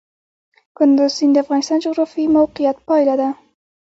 کندز سیند د افغانستان د جغرافیایي موقیعت پایله ده.